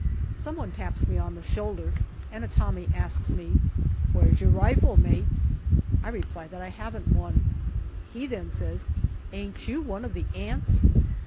Some one taps me on the shoulder, and a Tommy asks me, " Where's 5 66 GALLIPOLI DIARY your rifle, mate ?" I reply that I haven't one. He then says, " Ain't you one of the 'Ants